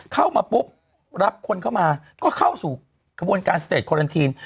เข้ามาปุ๊บรับคนเข้ามาก็เข้าสู่กระบวนการสเตจคอลันทีน